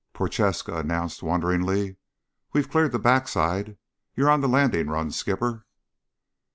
Prochaska announced wonderingly. "We've cleared the back side. You're on the landing run, Skipper."